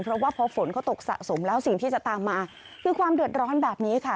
เพราะว่าพอฝนเขาตกสะสมแล้วสิ่งที่จะตามมาคือความเดือดร้อนแบบนี้ค่ะ